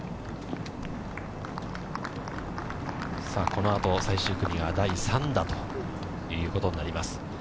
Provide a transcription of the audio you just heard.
このあと、最終組が第３打ということになります。